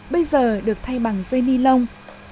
bây giờ được thay bằng dây ni lông